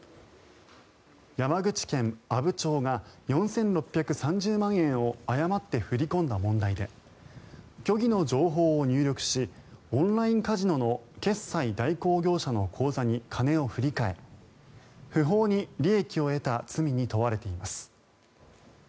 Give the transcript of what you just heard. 山口県阿武町が４６３０万円を誤って振り込んだ問題で虚偽の情報を入力しオンラインカジノの決済代行業者の口座に金を振り替え不法に利益を得た罪に問われています。